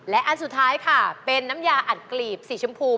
และอันสุดท้ายค่ะเป็นน้ำยาอัดกลีบสีชมพู